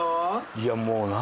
いやもう何？